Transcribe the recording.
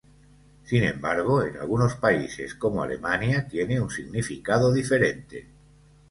Sin embargo, en algunos países, como Alemania tiene un significado diferente.